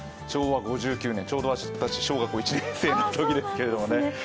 昭和５９年、ちょうど私、小学校１年生のときですけどね。